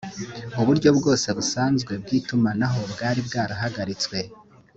uburyo bwose busanzwe bw’itumanaho bwari bwarahagaritswe